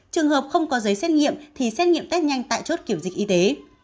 trường hợp không có giấy xét nghiệm thì xét nghiệm test nhanh tại chốt kiểm dịch y tế